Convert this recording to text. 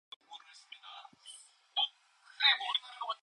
그들은 말을 그치고 흘금 문을 바라보았다.